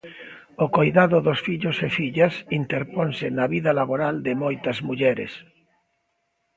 O coidado dos fillos e fillas interponse na vida laboral de moitas mulleres.